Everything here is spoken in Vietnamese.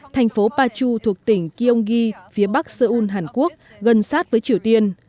thành phố pachu thuộc tỉnh gyeonggi phía bắc seoul hàn quốc gần sát với triều tiên